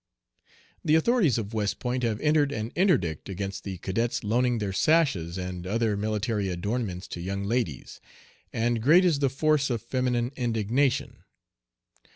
"The authorities of West Point have entered an interdict against the cadets loaning their sashes and other military adornments to young ladies, and great is the force of feminine indignation."